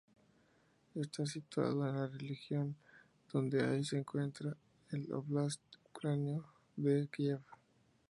Estaba situado en la región donde hoy se encuentra el óblast ucraniano de Kiev.